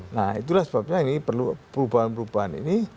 nah itulah sebabnya perubahan perubahan ini